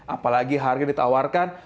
apalagi harga ditawarkan